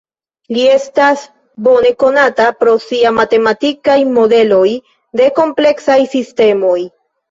Li estas bone konata pro sia matematikaj modeloj de kompleksaj sistemoj.